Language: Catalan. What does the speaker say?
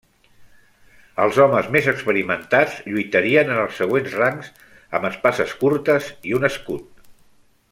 Els homes més experimentats lluitarien en els següents rangs amb espases curtes i un escut.